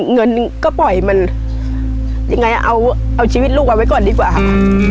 เงินก็ปล่อยมันยังไงเอาชีวิตลูกเอาไว้ก่อนดีกว่าค่ะ